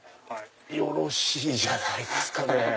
よろしいじゃないですか！